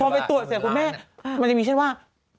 พอไปตรวจเสร็จคุณแม่มันจะมีเช่นว่า